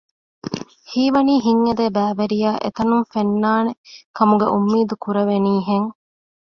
ހީވަނީ ހިތްއެދޭ ބައިވެރިޔާ އެތަނުން ފެންނާނެ ކަމުގެ އުއްމީދު ކުރެވެނީހެން